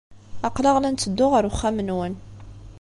Aql-aɣ la netteddu ɣer uxxam-nwen.